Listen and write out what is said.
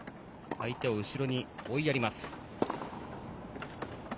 相手を後ろに追いやります。